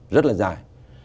rất là dài